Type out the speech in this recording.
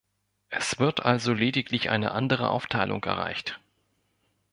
Es wird also lediglich eine andere Aufteilung erreicht.